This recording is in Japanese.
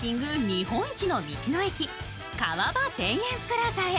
日本一の道の駅、川場田園プラザへ。